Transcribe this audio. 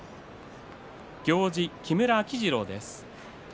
行司木村秋治郎です。